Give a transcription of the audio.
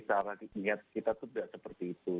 tapi kan kita tidak seperti itu